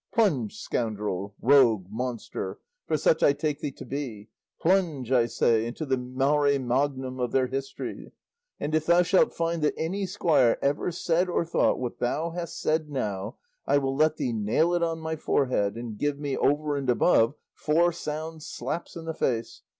Plunge, scoundrel, rogue, monster for such I take thee to be plunge, I say, into the mare magnum of their histories; and if thou shalt find that any squire ever said or thought what thou hast said now, I will let thee nail it on my forehead, and give me, over and above, four sound slaps in the face.